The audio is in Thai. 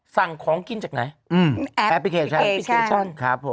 สั่งของกินจากไหนแอปพลิเคชัน